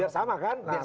biar sama kan